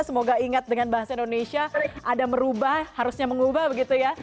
semoga ingat dengan bahasa indonesia ada merubah harusnya mengubah begitu ya